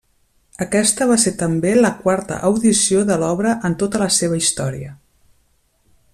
Aquesta va ser també la quarta audició de l'obra en tota la seva història.